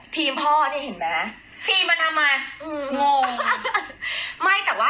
พ่อเนี่ยเห็นไหมทีมมาทำไมอืมงงไม่แต่ว่า